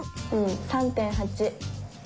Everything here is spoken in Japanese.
３．８。